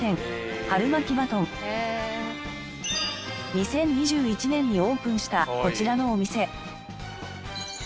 ２０２１年にオープンしたこちらのお店。